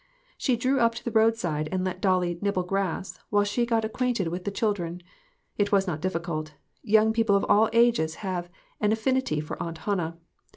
She drew up to the roadside and let Dplly nibble grass, while she got acquainted with the children. It was not difficult Young people of all ages had an affinity for Aunt Hannah.